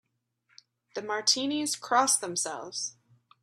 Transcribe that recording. The Martinis cross themselves.